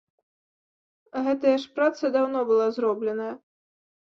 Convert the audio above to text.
Гэтая ж праца даўно была зробленая.